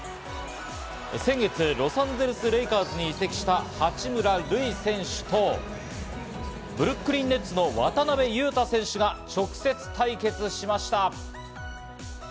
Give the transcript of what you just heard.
先月、ロサンゼルス・レイカーズに移籍した八村塁選手とブルックリン・ネッツの渡邊雄太選手が直接対決しました。